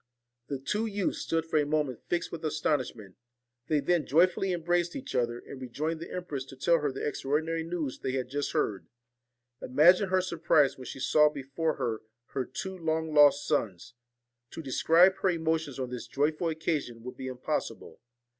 The two youths stood for a moment fixed with astonishment ; they then joyfully embraced each other, and rejoined the empress to tell her the extraordinary news they had just heard. Imagine her surprise when she saw before her her two long lost sons. To describe her emotions on this joyful occasion would be impossible.